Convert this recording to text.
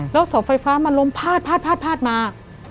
แล้วสอฟัยฟ้ามันลมพาดมา